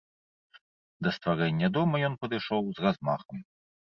Да стварэння дома ён падышоў з размахам.